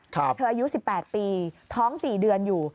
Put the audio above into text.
อายุ๑๘ปีท้อง๔เดือนอยู่